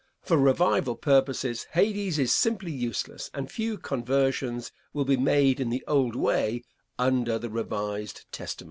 For revival purposes, Hades is simply useless, and few conversions will be made in the old way under the revised Testament.